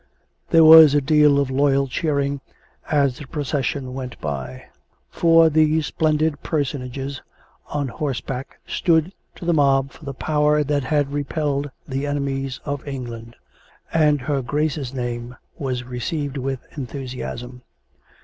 There was a deal of loyal cheer ing as the procession went by; for these splendid person ages on horseback stood to the mob for the power that had repelled the enemies of England; and her Grace's name was received with enthusiasm.